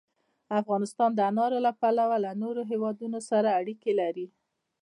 افغانستان د انارو له پلوه له نورو هېوادونو سره اړیکې لري.